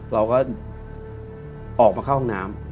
เราก็ออกมาเข้าห้องน้ำ